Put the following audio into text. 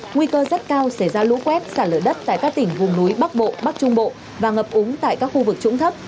nguy cơ rất cao xảy ra lũ quét xả lỡ đất tại các tỉnh vùng núi bắc bộ bắc trung bộ và ngập úng tại các khu vực trũng thấp